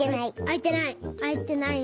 あいてない。